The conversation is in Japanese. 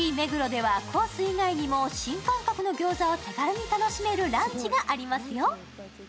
ＳＨＥｍｅｇｕｒｏではコース以外にも新感覚のギョーザを手軽に楽しめるランチがありますよ。